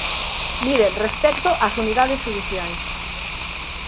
Mire, respecto ás unidades xudiciais.